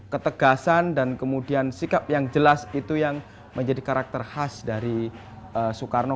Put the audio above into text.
ketegasan dan kemudian sikap yang jelas itu yang menjadi karakter khas dari soekarno